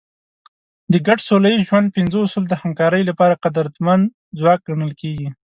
د ګډ سوله ییز ژوند پنځه اصول د همکارۍ لپاره قدرتمند ځواک ګڼل کېږي.